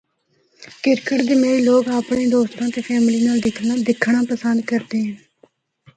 کرکٹ دے میچ لوگ اپنڑے دوستاں تے فیملی نال دیکھنڑا پسند کردے ہن۔